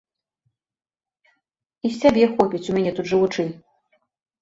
І з цябе хопіць, у мяне тут жывучы.